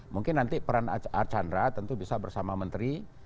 mungkin nanti peran archandra tentu bisa bersama menteri